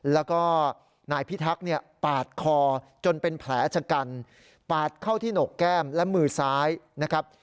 แล้วก็นายพิทักษ์เนี่ยปาดคอจนเป็นแผลชะกันปาดเข้าที่หนกแก้มและมือซ้ายนะครับ